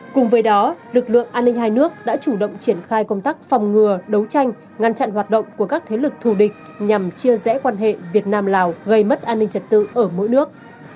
cùng với đó lực lượng an ninh hai nước đã chủ động triển khai công tác phòng ngừa đấu tranh ngăn chặn hoạt động của các thế lực thù địch nhằm chia rẽ quan hệ việt nam lào gây mất an ninh trật tự ở mỗi nước